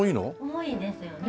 多いですよね